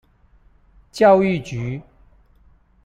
教育局